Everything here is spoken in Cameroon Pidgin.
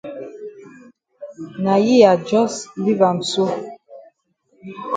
Na yi I jus leave am so.